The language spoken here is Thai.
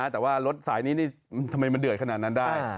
แต่ว่ารถสายนี้นี่ทำไมมันเดือดขนาดนั้นได้